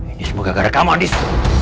ini semoga gara gara kamu andis